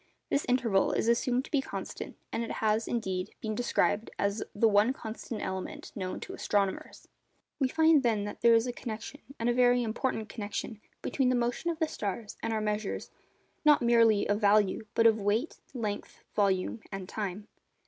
This interval is assumed to be constant, and it has, indeed, been described as the 'one constant element' known to astronomers. We find, then, that there is a connection, and a very important connection, between the motion of the stars and our measures, not merely of value, but of weight, length, volume, and time.